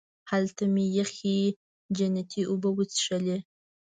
هلته مې یخې جنتي اوبه وڅښلې.